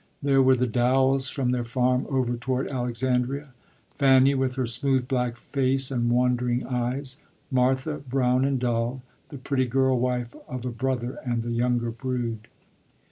There were the Dowells from their farm over toward Alexandria, Fanny, with her smooth black face and wondering eyes; Martha, brown and dull; the pretty girl wife of a brother, and the younger brood.